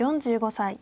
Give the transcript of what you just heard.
４５歳。